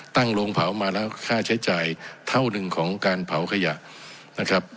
ตั้งโรงเผามาแล้วค่าใช้จ่ายเท่าหนึ่งของการเผาขยะนะครับ